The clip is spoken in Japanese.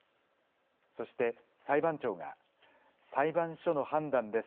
そして裁判長が裁判所の判断です。